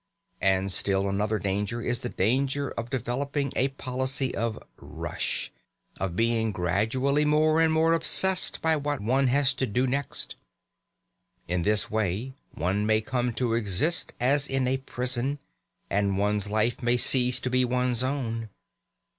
And still another danger is the danger of developing a policy of rush, of being gradually more and more obsessed by what one has to do next. In this way one may come to exist as in a prison, and one's life may cease to be one's own.